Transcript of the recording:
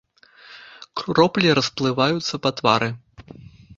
Кроплі расплываюцца па твары.